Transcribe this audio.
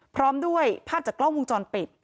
พร้อมด้วยภาพจากกล้องวงจรปิด